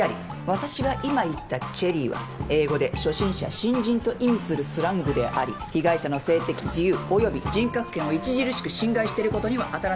私が今言ったチェリーは英語で初心者新人と意味するスラングであり被害者の性的自由および人格権を著しく侵害していることには当たらない。